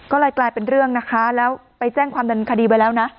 ก็เลยกลายเป็นเรื่องนะคะแล้วไปแจ้งความดันคดีไว้แล้วนะ